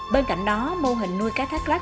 bên cạnh đó mô hình nuôi cá thác lát